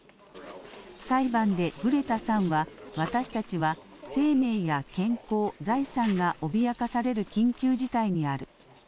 裁判でグレタさんは、私たちは生命や健康、財産が脅かされる緊急事態にある。